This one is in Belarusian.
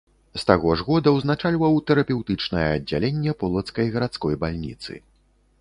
З таго ж года ўзначальваў тэрапеўтычнае аддзяленне полацкай гарадской бальніцы.